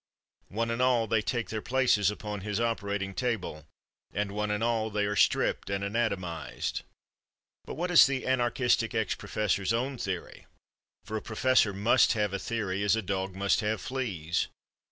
One and all, they take their places upon his operating table, and one and all they are stripped and anatomized. But what is the anarchistic ex professor's own theory?—for a professor must have a theory, as a dog must have fleas.